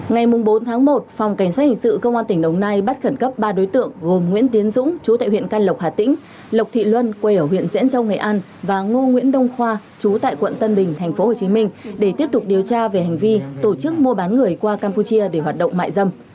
ngày bốn tháng một phòng cảnh sát hình sự công an tỉnh đồng nai bắt khẩn cấp ba đối tượng gồm nguyễn tiến dũng chú tại huyện can lộc hà tĩnh lộc thị luân quê ở huyện diễn châu nghệ an và ngô nguyễn đông khoa chú tại quận tân bình tp hcm để tiếp tục điều tra về hành vi tổ chức mua bán người qua campuchia để hoạt động mại dâm